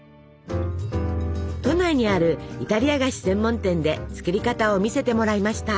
都内にあるイタリア菓子専門店で作り方を見せてもらいました。